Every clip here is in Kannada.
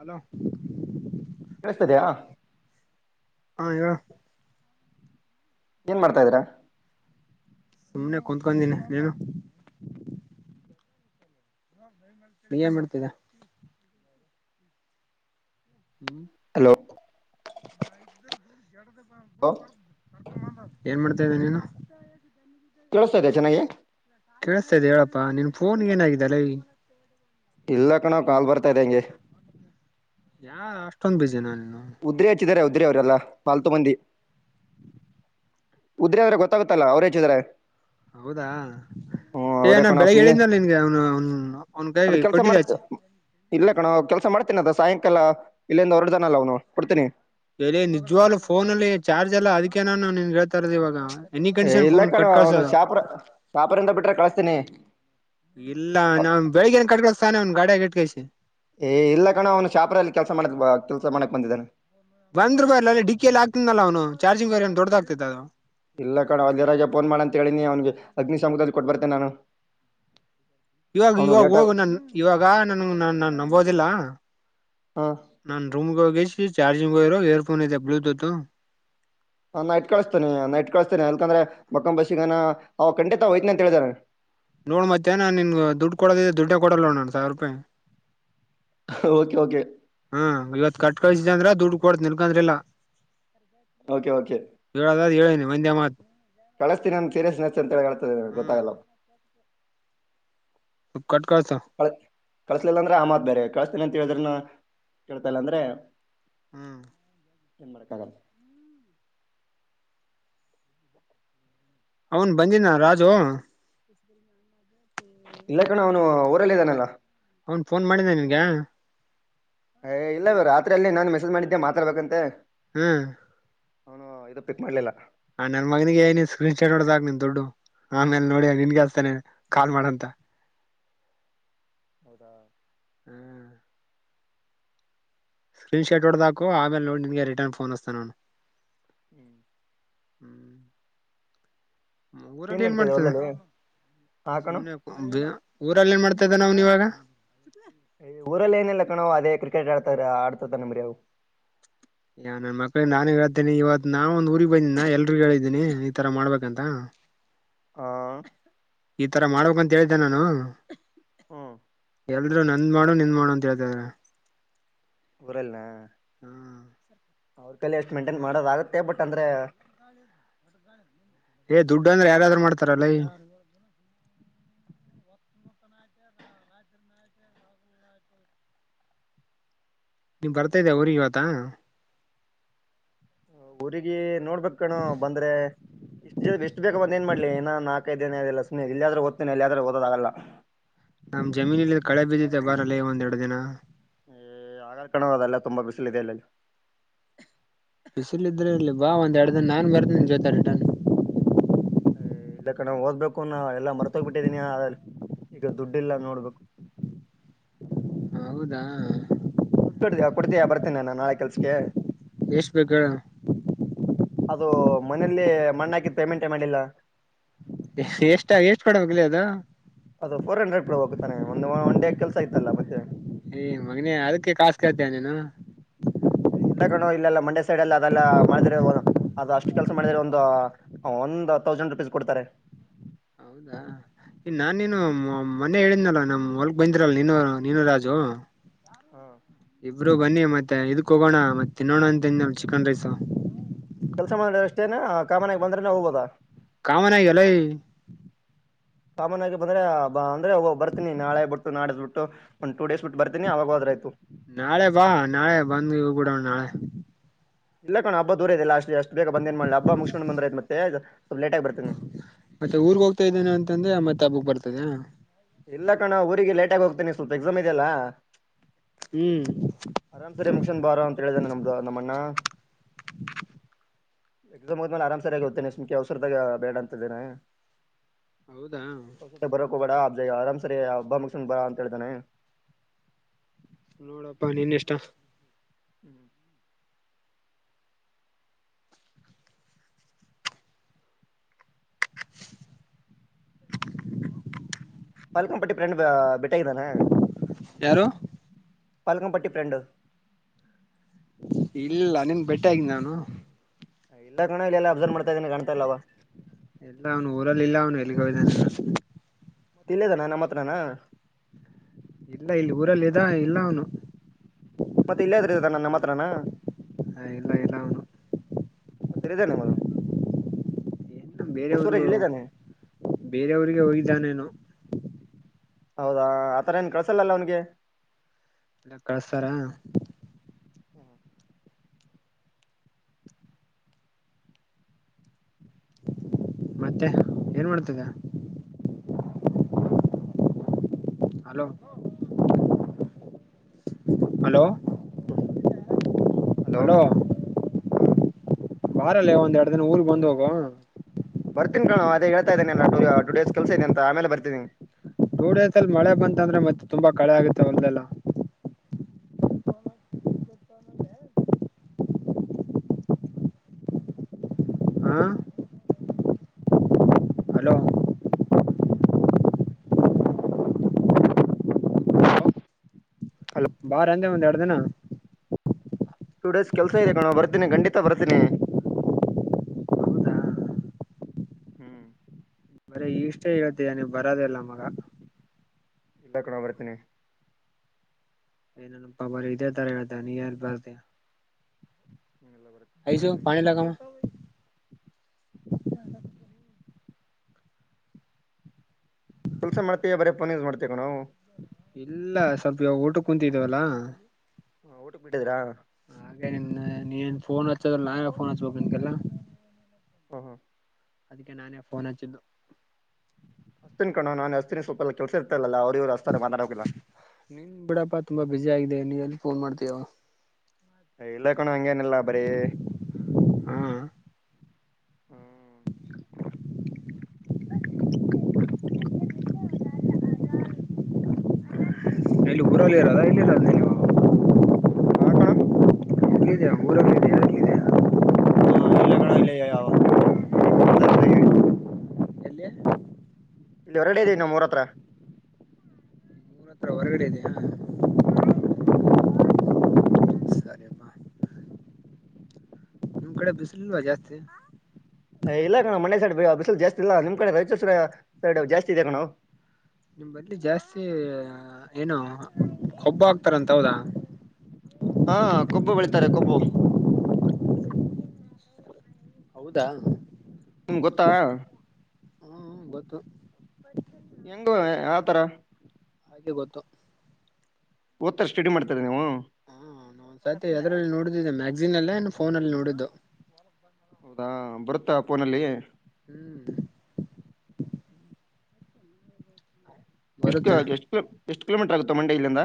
ಹಲೋ [inaudible] ಕೇಳಿಸ್ತದಯ ಆ ಹೇಳು ಏನ್ ಮಾಡ್ತಾದೀರಾ ಸುಮ್ನೆ ಕುತ್ಕೀನಿ ನೀನು ನೀ ಏನ್ ಮಾಡಡ್ತದ ಹ್ಮ್ [inaudible] ಹಲೋ ಹಲೋ [inaudible] ಏನ್ ಮಾಡ್ತಿದ ನೀನು [unintelligible] ಕಸತ ಚೆನಗೆ ಕೇಳಿಸತದೆ ಹೇಳಪ್ಪಾ ನಿನ್ ಫೋನ್ ಏನಾಗಿದ್ದಲ್ಲ ಇಲ್ಲಕ್ಕಣಾವ್ ಕಾಲ್ ಬರ್ತಾ ಇದ್ದ ಹೆಂಗೆ ಯಾ ಅಷ್ಟೊಂಗ್ ಬೀಜ ನಾನ ಉದ್ರಿ ಹಚ್ಚಿದಿದ್ದಾರೆ ಉದ್ರಿ ಅವರೆಲ್ಲಾ ಪಾಲ್ತು ಮಂದಿ ಉುದ್ರೆ ಆದ್ರೆ ಗೊತ್ತಾಗುತ್ತಲ್ಲ ಅವ್ರ ಹೆಚ್ಚಿದ್ರೆ ಹೌದಾ ಪೇನ ಕಣೋ ಬೆಳಿಗ್ಗೆ ಸುಮ್ನೆ ಹೇಳಿದ ನಿನ್ಗೆ ಅವನು ಅವನ್ ಅವನ್ ಅದ ಕಾಯಗೆ ಕೆಲ್ಸ ಕೊಟ್ಟಿದ್ದ ಮಾಡ್ತ ಆಚೆ ಇಲ್ಲ ಕಣೋ ಕೆಲ್ಸ ಸಾಯಂಕಾಲ ಇಲ್ಲಿಂದ [unintelligible] ಅವ್ನು ಕೊಡ್ತೇನೆ ಎಲ್ಲಿ ನಿಜ್ವಾಗ್ಲುೂ ಫೋನ ಅಲ್ಲಿ ಚಾರ್ಜ್ ಎಲ್ಲಾ ಅದಕ್ಕೇನಾನ ನೀನ್ ಹೇಳ್ತಾ ಇರೋದ ಇವಾಗ ಎನಿ ಏ ಕಂಡೀಷನ್ ಇಲ್ಲ ಫೋನ್ ಕಣೋ ಅವನು ಕಟ್ಕಳ್ಸೋದು ಶಾಪುರ ಶಾಪುರಿಂದ ಬಿಟ್ರೆ ಕಳಸ್ತೀನಿ ಇಲ್ಲ ನಾ ಬೆಳಿಗ್ ಏನ್ ಕಟ್ ಕಳತಾನೆ ಒ ಗಾಡಿಯ ಕೈ ಏ ಇಲ್ಲ ಕಣ ಅವನು ಶಾಪರಲ್ಲಿ ಕೆಲ್ಸ ಮಾಡಕ್ ಕೆಲ್ಸ ಮಾಡಕ್ ಬಂದಿದ್ದಾನ ಬಂದ್ೂಪಾಯಿ ಇಲ್ಲ ಅ ಡಿಕ್ಕ ಎಲ್ಲಿ ಆಗ್ತಿದನಲ್ಲ ಅವನು ಚಾರ್ಜಿಂಗ್ ವರಿಯನ್ ದೊಡಾಗ ಆತದ ಅದು ಇಲ್ಲ ಕಣ ಅವ ಜರಾಗ ಫೋನ್ ಮಾಡ ಅಂತ ಹೇಳನಿ ಅವನ್ಿಗೆ ಅಗ್ನಿಿಸುದ್ರದಲ್ಲಿ ಕೊಟ್ಟು ಬರ್ತೆೇನೆ ನಾನು ಇವಾಗ ಅವನು ಇವಾಗ ಲೇಟ್ ಆಗ ಹೋಗ ನನ್ ಇವಾಗ ನನ್ ನ ನ ನಂಬೋದಿಲ್ಲ ಹಾ ನನ್ ರೂಮ್ಗೆ ಹೋಗಿ ಚಾರ್ಜಿಂಗ್ ಇರೋ ಇಯರ್ಫೋನ್ ಇಐದೆ ಬ್ಲೂಟೂತ್ ಹಾ ನ ಇಟ್ ಕಳಿಸಸ್ತೇನೆ ನ ಇಟ್ ಕಳಸ್ತೇನೆ ಅಾಕಂದ್ರೆ ಬಕ್ಕಂಬ ಬಸಿಗ ಅವ ಕಂಟಿತ ಐ್ತೆನ ಅಂತ ಹೇಳಿದಾನ ನೋಡ್ ಮ್ಯಾನಾನ್ ನಿನ್ಗ ದುಡ್ಡು ಕೊಡೋದ ದುಡ್ಡೇ ಕೊಡಲ್ಲ ನು ಸಾವಿರ ರೂಪಾಯಿ ಓಕೆ ಓಕೆ ಹ್ಮ ಗಲತ್ ಕಟ್ಟ ಕಳ ಅಂದ್ರ ದುಡ್ಡು ಕೊಡತ ನಿನ್ಕಂದ್ರೆಲ್ಲ ಓಕೆ ಓಕೆ ಹೇಳೇನಿ ಒಂದೇ ಮಾತ್ ಕಳಿಸ್ತೀನಿ ನಮ್ಮಗೆ ಸೀರಿಯಸ್ನೆಸ್ ಅಂತೇಳಿ ಹಳ್ತದೆಗೆ ಹ್ಮ್ ಗೊತ್ತಾಗಲ್ಲ ಕಟ್ ಕಳ್ಸು ಕ ಕಳ್ಸಲಿಲ್ಲ ಅಂದ್ರೆ ಆಮತ್ ಬೇರೆ ಕ ಂತೇಳಿದ್ರನ್ನ ಕೇಳ್ತಾಲ್ಲ ಅಂದ್ರೆ ಹ್ಮ್ ನಮ್ಮರ ಕಾಗಲ್ ಅವನ್ ಬಂದಿ ನಾ ರಾಜು ಇಲ್ಲ ಕಣ ಅವನು ಊರಲ್ಲ ಇದಾನೆಲ್ಲಾ ಅವನ್ ಫೋನ್ ಮಾಡಿದ ನಿನ್ಗ ಏ ಇಲ್ಲ ಇವರು ರತ್ರಿ ಅಲ್ಲಿೇ ನಾನನ್ ಮೆಸೇಜ್ ಮಾಡಿದ್ದೆ ಮಾತಾಡ್ಬೇಕಂತೆ ಹ್ಮ್ ಅವನು ಇ ಪಿಕ್ ಮಾಡ್ಲಿಲ್ಲ ಹ ನನ್ ಮಗನಿಗೆ ಏ ನೀ ಸ್ಕ್ರೀನ್ ಚೈ ನೋಡ್ದಾಗ ನಿನ್ ದೊಡ್ಡು ಆಮೇಲೆ ನೋಡಿ ನಿನ್ಗೆಸ್ತಾನೆ ಕಾಲ್ ಮಾಡಂತ ಹೌದಾ ಹ್ಮ್ ಸ್ಕ್ರೀನ್ ಷಾಟ್ ಒಡ ದಾಕೋ ಆಮೇಲೆ ನೋಡಿಿನಗೆ ರಿಟರ್ನ್ಫೋನ್ೋಸ್ತ ನಾನು ಹ್ಮ್ ಊರಲ್ಲಿ ಏನ್ ನಡೀತಾ ಇದೆ ಮಾಡ್ತದೆ ಹೊಲದಲ್ಲಿ ಹಾ ಕಣ ಸುಮ್ನೆ ಊರಲ್ಲಿ ಏನ್ ಮಾಡ್ತ ನವು್ನ್ ಇವಾಗ ಊರಲ್ಲಿ ಏನಿಲ್ಲ ಕಣವ ಅದೇ ಕ್ರಿಕೆಟ್ ಆಡ್ತಾರ ಆಡ್ತತ ನಂಬ್ರವು ಯ ನನ್ ಮಕ್ಳ ನಾನು ಹೇಳ್ತೇನ ಇವತ್ ನಾ ಒಂದ ಊರಿಗೆಗ್ ಬಂದೀಿ ನ ಎಲ್ರಿ ಹೇಳಿದ್ದೀನಿ ಈ ತರ ಮಾಡ್ಬೇಕಂತ ಹಾ ಈ ತರ ಮಾಡ್ಬೇಕಕ್ಂತ ಹೇಳಿದ್ದೇನೆ ನಾನು ಹ್ಮ ಎಲ್ರೂ ನಂದ್ ಮಾಡು ನಿಂದ್ ಮಾಡು ಅಂತ ಹೇಳ್ತಾರೆ ಉರಲ್ನ ಅವ್ರ ಕಲೆ ಎಷ್ಟು ಮೇಂಟೈನ್ ಮಾಡೋದಾಗತ್ತೆ ಬಟ್ ಅಂದ್ರೆ ಏ್ ದುಡ್ಡು ಅಂದ್ರೆ ಯಾರಾದ್ರೂ ಮಾಡ್ತಾರಲ್ಲ ಈ ನೀ್ ಬರ್ತಾ ಇದ್ದೆ ಊರಿಗೆ ಇವತ್ತ ಊರಿಗಿ ನೋಡ್ಬೇಕು ಕಣು ಬಂದ್ರೆ ಇಷ್ಟು ಎಷ್ಟು ಬೇಕ ಬಂದ್ ಏನ್ ಮಾಡ್ಲಿ ಏನ ನಾಲ್ಕೈದು ದಿನಲ್ಲ ಸುನಿ ಇಲ್ಲಯಾದ್ರೂ ಓದ್ತನನೆ ಅಲ್ಲಿಯಾದ್ರೂ ಓದೋದಾಗಲ್ಲ ನಮ್ ಜಮೀನಲ್ಲಿ ಕಳೆ ಬಿದ್ದಿದ್ದೆ ಬರಲ್ಲೇ ಒಂದ್ೆರಡು ದಿನ ಏ ಆಗಾರ್ ಕಣ ಅದೆಲ್ಲ ತುಂಬಾ ಬಿಸಿಲು ಇದೆ ಇಲ್ಲಲ್ಲಿ ಬಿಸಿಲ ಇದ್ರೆ ಇಲ್ಲಿ ಬಾ ಒಂದ್ ಎರಡು ದಿನ ನಾಾನನ್ ಬರ್ದನ್ ಜ್ಯೋತರ್ಟನ್ ಇಲ್ಲ ಕಣ್ ಓದ್ಬೇಕು ನಾ ಎಲ್ಲ ಮರ್ತೋಗ್ಬಿಟ್ಟಿದೀನಿ ಅ ಈಗ ದುಡ್ಡಿಲ್ಲ ನೋಡ್ಬೇಕು ಹೌದಾ ದುಡ್ಡು ಕೊಡ ಕೊಡ್ತೀಯ ಬರ್ತೀನಿ ನಾನ ನಾಳೆ ಕೆಲ್ಸಕ್ಕೆ ಎಷ್ಟ ಬೇಕ ಹೇಳ್ ಮನೇೆಯಲ್ಲಿ ಮಣ್ಣ ಹಾಕಿದು ಪೇಮೆಂಟೆ ಮಾಡಿಲ್ಲ ಎಷ್ಟ ಎಷ್ಟ್ ಕೊಡಬೇಕ ಲೆ ಅದ ಅದು ಫೋರ್ ಹಂಡ್ರೆಡ್ ಕೊಡಬೇಕುತ್ತಾನೆ ಒಂದ ಒನ್ ಡೇ ಕೆಲಸ ಆಯತ್ತಲ್ಲ ಮತ್ತೆ ಏ ಮಗನೆ ಅದಕ್ಕೆ ಕಾಸು ಕೇಳ್ತೀಯಾ ನೀನು ಇಲ್ಲ ಕಣು ಇಲ್ಲೆಲ್ಲ ಮಂಡೆ ಸೈಡ್ಲ್ಲ ಅದೆಲ್ಲ ಮಾಡಿದ್ರ ಅದು ಅಷ್ಟು ಕೆಲಸ ಮಾಡಿದ್ರೆ ಒಂದು ಒಂದು್ ತೌಸಂಡ್ ರುಪೀಸ್ ಕೊಡ್ತಾರೆ ಹೌದಾ ಈ ನಾನೇನು ಮನೆ ಹೇಳಿದ್ನಲ್ಲ ನಮ್ಮ ಹೊಲಕ್ ಬಂದಿರಲ್ ನೀನು ನೀನು ರಾಜು. ಹ್ಮ್ ಬ್ರೋ ಬನ್ನಿ ಮತ್ತೆ ಇದಕ್ ಹೋಗೋಣ ಮತ್ತೆ ತಿನ್ನೋಣ ಅಂತ ಅಂದೇ ಚಿಕನ್ ರೈಸ್ ಕೆಲ್ಸ ಮಾಡ ಅಷ್ಟೇನ ಕಾಮಾನಾಗ ಬಂದ್ರೆನೆ ಹೋಗೋದು. ಕಾಮನ ಗಲ್ಲೈ ಕಾಮನ್ಗಿ ಬಂದ್ರೆ ಬ ಅಂದ್ರೆೋಗ ಬರ್ತೀನಿ ನಾಳೆ ಬಿಟ್ಟು ನಾಡ್ ಬಿಟ್ಟು ಒಂದು ಟ ಡೇಸ್ ಬಿಟ್ಟು ಬರ್ತೀಿನಿ ಅವಾಗ ಹೋದ್ರಾಯ್ತು. ನಾಳೆ ಬಾ ನಾಳೆ ಬಂದ ಹೋಗ ಬಿಡೋಣ ನಾಳೆ. ಇಲ್ಲ ಕಣ ಹಬ್ಬ ದೂರ ಇಲ್ಲ ಅಷ್ಟು. ಎಷ್ಟು ಬಂದೇನ್ ಮಾಡಿ ಹಬ್ಬ ಮುಗ್ಕು ಬಂದ್ರಯ್ತ್ತ್ತೆ. ಮತ್ತೆ ಊರ್ಗ್ ಹೋಗ್ತಾ ಇದ್ದೇನೆ ಅಂತ ಅಂದೇ ಮತ್ತೆ ಹಬ್ಬಕ್ ಬರ್ತಾ. [unintelligible] ಇಲ್ಲ ಕಣ ಊರಿಗೆ ಲೇಟ್ ಆಗ ಹೋಗ್ತೇನಿ ಸ್ವಲ್ಪ ಎಕ್ಸಾಮ್ ಇದೆಯ ಅಲ್ಲ. ಹ್ಮ್ ಅರಾಮ್ ಸರಿ ಮುಗಶನ್ ಬಾರ ಅಂತ ಹೇಳಿದ್ದನೆ ನಮ್ದು ನಮ್ಮಣ್ಣ ಎಕ್ಸಾಮ್ ಹದೇಲೆ ಆರ್ ಸರಿಯಾಗಿ ಹೋಗ್ೇನೆಮಖಿ ಅವಸರದ ಬೇಡ ಅಂತಿದ್ದೇನೆ. ಹೌದಾ [unintelligible] ಅ ಆರಾಮ್ ಸರಿ ಅಬ್ಬಾ ಮುಗಸನ್ ಗೋಡ್ ಬಾ ಅಂತಾ ಹೇಳಿದಾನೆ. ನೋಡಪ್ಪಾ ನೀನ್ ಇಷ್ಟ. ಹ್ಮ್ [unintelligible] [unintelligible] ಪಲಕಂಪಟ್ಟಿ ಯಾರು ಫ್ರೆಂಡ್ ಇಲ್ಲ ನಿನ್ ಬೆಟ್ಟೆ ಆಗಿಲ್ಲ ನಾನು ಇಲ್ಲ ಕಣ ಎಲ್ಲ ಅಬ್ಸರ್ವ್ ಮಾಡ್ತಾ ಇದೀನಿ ಕಾಣ್ತಾ ಇಲ್ ಅವ್ ಎಲ್ಲ ಅವನು ಊರಲ್ಲಿ ಇಲ್ಲ ಅವನು ಎಲ್ಲಿಗೆ ಹೋಗಿದಾನೆ. ಇಲ್ಲೇದಾನ ನಮ್ಮ ಹತ್ರಾನ್ ಇಲ್ಲ ಇಲ್ಲಿ ಊರಲ್ಲಿ ಇದ ಇಲ್ಲ ಅವನು. ಮತ್ತೆ ಇಲ್ಲೇದ್ರ [unintelligible] ಹ ಇಲ್ಲ ಇಲ್ಲ ಇಲ್ಲ ಅವನ್ನು [unintelligible] ಬಸವರಾಜ್ ಬೇರೆಯವ್ರಗೂ ಇಲ್ಲಿದ್ದಾನೆ ಬೇರೆಯವ್ರಿಗೆ ಹೋಗಿದ್ದಾನೇನು. ಹೌದಾ ಆತರ ಏನ್ ಕಳ್ಸಲ್ಲಲ್ಲ ಅವನಿಗೆ. ಇಲ್ಲ ಕಳ್ಸ್ತಾರ. [inaudible] ಮತ್ತೆ ಏನ್ ಮಾಡ್ತಿದ್ ಹಲೋ ಹಲೋ ಹಲೋ ಹಾ ಬಾರಲ್ಲೇ ಒಂದ್ ಎರಡು ದಿನ ಊರ್ ಬಂದ್ ಹೋಗು. ಬರ್ತೀನಿ ಕಣೋ ಅದ ಹೇಳ್ತಾ ಇದಾನ ಎಲ್ಲ ಟು ಟು ಡೇಸ್ ಕೆಲಸ ಇದೆ ಅಂತಾ ಆ ಮೇಲೆ ಬರ್ತೀನಿ. ೂಡಸಲ್ ಮಳೆ ಬಂತ ಅಂದ್ರೆ ಮತ್ತೆ ತುಂಬಾ ಕಳೆ ಆಗುತ್ತೆ ಒದೆೆಲ್ಲ. ಹಾ ಹಲೋ ಹಲೋ ಬಾರ ಅಂದೆ ಒಂದ್ ಎರಡ್ ದಿನ. ಟೂ ಡೇಸ್ ಕೆಲ್ಸ ಇದೆ ಕಣೋ ಬರ್ತೀನಿ ಖಂಡಿತ ಬರ್ತೀನಿ. ಹೌದಾ ಹ್ಮ್ ಇಷ್ಟೇ ಹೇಳ್ತೀಯ ನೀ್ ಬರೋದಲ್ಲ ಮಗ ಇಲ್ಲಾಕಣ ಅಬರತನೆ ಏನನಪ್ಪಾ ಬರ ಇದೇ ತರ ಹೇಳ್ತ ನೀ ಎಲ್ಲಿ ಬರ್ದ ಹ್ಮ ಎಲ್ಲ ಬರ್ತೇನೆ ಬರ್ತೇನೆ ಕೆಲಸ ಮಾಡ್ತೇವ ಬರ ಪೋನ್ಸ್ ಮಾಡ್ತೇವೆವ ನಾವು ಇಲ್ಲ ಸ್ವಲ್ಪ ಊಟ ಕುೂಂತಿದೇವಲ್ಲ ಹ ಊಟಕ್ ಬಿಟ್ಟಿದ್ರಾ ಹಾಗೆ ನಿನ್ನ ನೀನ್ ಫೋನ್ ಹಚ್ಚದ್ರ ನಾವ ಫೋನ್ ಹಚ್ಬೇಕು ನಿನ್ಗೆಲ್ಲ ಹ ಹ ಅದಕ್ಕೆ ನಾನೇ ಫೋನ್ ಹಚ್ಚಿದ್ದು ಅಸ್ತಿನ ಕಣೋ ನಾ ಅತಿನಿ ಸ್ವಲ್ಪಲ್ಲ ಕೆಲಸ ಇರ್ತಾರಲ್ಲ ಅವರು ರತ ರ ಬಾನಡಾವಕ ನೀನ್ ಬಿಡಪ್ಪಾ ತುಂಬಾ ಬುಿ ಆಗಿದೆ ನೀವು ಎಲ್ಲಿ ಫೋನ್ ಮಾಡ್ತೀಯ ಇಲ್ಲ ಕಣ ಅಂಗನಲ್ಲಾ ಬರ ಹಾ ಹ್ಮ [unintelligible] ಇಲ್ಲಿ ಊರಲ್ಲಿ ಇರಲ್ಲ ಇಲ್ಲಿ ಇರದ ನೀವು ಹಾ ಕಣ ಹಗಿದೆಾ ಊರಾ ಕಿದೆ ಹಾ ಇಲ್ಲ ಕಣ ಇಲ್ಲ ಯಾವತ್ರ ಎಲ್ಲಿ ಇಲ್ಲಿ ಹೊರಡೆ ಇದದೆನ್ನು ಮೂರ ಹತ್ರ ಊರ ಹತ್ರ ಹೊರಗಡೆ ಇದೆಯಾ ಹ್ಮ್ ಸರಿಯಪ್ಪಾ ನಿಮ್ ಕಡೆ ಬಿಸಿಲುಲ್ವಾ ಜಾಸ್ತಿ ಇಲ್ಲ ಕಣ ಮಣೆ ಸೈಡ್ ಬಿಸಲು ಜಾಸ್ತಿ ಇಲ್ಲ ನಿಮ್ ಕಡೆ ರೈಚಸರ ಸೈಡ್ ಜಾಸ್ತಿ ಇದೆ ಕಣಾವು ನಿಮ್ ಬಲ್ಲಿ ಜಾಸ್ತಿ ಏನು ಕೊಬ್ಬ ಆಾಕ್ತಾರಂತ ಹೌದಾ ಹಾ ಕೊಬ್ಬು ಬೆಳಿತಾರೆ ಕೊಬ್ಬು ಹೌದಾ ನಿಮ್ಗೆ ಗೊತ್ತಾ ಗತ್ತು ಹೆಂಗ ಆ ತರ ಹಾಗೆ ಗೊತ್ತು ಓದ್ತಾರೆ ಸ್ಟಡಿ ಮಾಡ್ತಾರೆ ನೀವು ರಾತ್ರಿ ಎದ್ರಲ್ಲಿ ನೋಡಿದ್ದೀನಿ ಮ್ಯಾಗ್ಸೀನ್ ಅಲ್ಲ ಇನ್ ಫೋನ್ ಅಲ್ಲಿ ನೋಡಿದ್ದು ಹಾ ಬರುತ್ತಾ ಫೋನಲ್ಲಿ ಹ್ಮ್ ಎಷ್ಟ ಬರುತ್ತೆ ಎಷ್ಟ್ ಬೇಕ್ ಎಷ್ಟ್ ಕಿಲೋಮೀಟರ್ ಆಗುತ್ತಾ ಮಂಡ್ಯ ಇಲ್ಲಿಂದ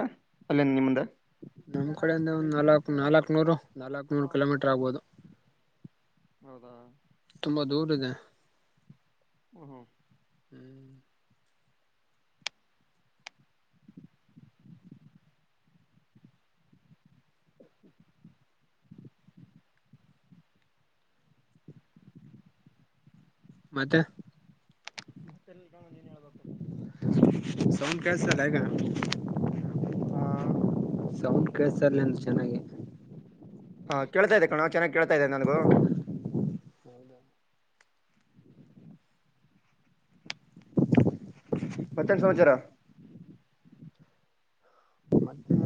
ಅಲ್ಲೇ ನಿಮ್ಮಿಂದ ನಮ್ ಕಡೆಯಿಂದ ಒಂದ್ ನಾಲಕ್ ನಾಲಕ್ನೂರು ನಾಲಕ್ನೂರು ಕಿಲೋಮೀಟರ್ ಆಗ್ಬೋದು ಹೌದಾ ತುಂಬಾ ದೂರ ಇದೆ ಹ್ಮ ಹ್ಮ ಹ್ಮ್ ಮತ್ತೆ ಮತ್ತೆಲ್ ಭಾವ ನೀ ಸೌಂಡ್ ಕೇಳ್ಸ್ತದ್ [unintelligible] ಹಾ ಸೌಂಡ್ ಕೇಳ್ಸ್ತರ್ಲಿಂದ್ ಚೆನ್ನಾಗಿೆ ಹಾ ಕೇಳ್ತಾ ಇದೆ ಕಣೋ ಚೆನ್ನಾಗ್ ಕೇಳ್ತಾ ಇದೆ ನನ್ಗೂ ಮತ್ತೇನ್ ಸಮಾಚಾರ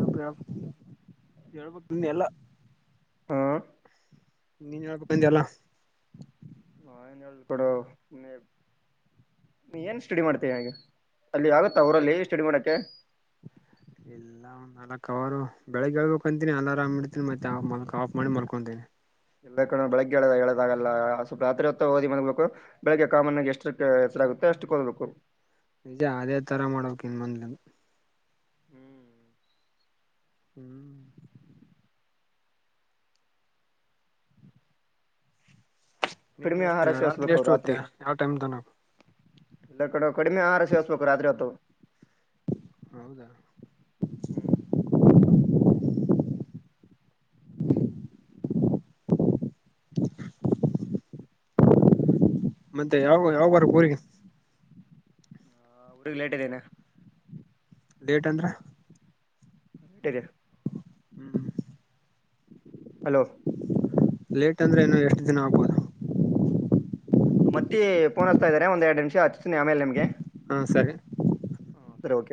ಓಕೆ ಹೇಳ್ಬೇಕ್ ನೀನೆ ಎಲ್ಲ ಹಾ ನೀನ್ ಯಾವಾಗ ಬಂದಿ ಅಲ್ಲ [unintelligible] ನೀ ಏನ್ ಸ್ಟಡಿ ಮಾಡ್ತೀಯಾ ಹಾಗೆ ಅಲ್ಲಿ ಆಗತ್ತಾ ಆ ಊರಲ್ಲಿ ಸ್ಟಡಿ ಮಾಡಕ್ಕೆೆ ಇಲ್ಲ ಒಂದ್ ನಾಲಕ್ ಹವರು ಬೆಳಿಗ್ಗೆ ಏಳ್ಬೇಕಂತೀನಿ ಅಲಾರಾಂ ಇಡ್ತೀನಿ ಮತ್ತೆ ಆಫ್ ಮಾಡಿ ಮಲ್ಕೊಂತೀನಿ ಇಲ್ಲ ಕಣೋ ಬೆಳಗ್ಗೆ ಎಳದಾಗಲ್ಲ ಸ್ವಲ್ಪ ರಾತ್ರಿ ಹೊತ್ತ ಓದಿ ಮಲಗ್ಬೇಕು ಬೆಳಿಗ್ಗೆ ಕಾಮನ್ ಆಗಿ ಎಷ್ಟಕ್ಕೆ ಎಚ್ಚರಾಗುತ್ತೆ ಅಷ್ಟಕ್ಕ್ ಓದ್ಬೇಕು ನಿಜ ಅದೇ ತರ ಮಾಡ್ಬೇಕ್ ಇನ್ ಮಂದೆ ಹ್ಮ್ ಹ್ಮ್ ನೀನ್ ಕಡಿಮೆ ಎಷ್ಟ್ ಆಹಾರ ರಾತ್ರಿ ಸೇವಿಸ್ಬೇಕು ಎಷ್ಟ್ ಓದ್ತಿಯ ಯಾವ್ ಟೈಮ್ ತನ ಇಲ್ಲ ಕಣೋ ಕಡಿಮೆ ಆಹಾರ ಸೇವಿಸ್ಬೇಕು ರಾತ್ರಿ ಹೊತ್ತು ಹೌದಾ ಹ್ಮ್ ಮತ್ತೆ ಯಾವಾಗ್ ಯಾವಾಗ್ ಬರಕ್ ಊರಿಗೆ ಲೇಟ್ ಇದೇನೆ ಲೇಟ್ ಅಂದ್ರ [unintelligible] ಹ್ಮ್ ಹಲೋ ಲೇಟ್ ಅಂದ್ರೆ ಇನ್ನು ಎಷ್ಟ್ ದಿನ ಆಗ್ಬೋದು ನಮ್ಮತ್ತಿ ಪೋನ್ ಹಚ್ತಾ ಇದಾರೆ ಒಂದೆರಡ್ ನಿಮಿಷ ಹಚ್ತಿನಿ ಆಮೇಲೆ ನಿಮ್ಗೆ ಹಾ ಸರಿ ಹಾ ಸರಿ ಓಕೆ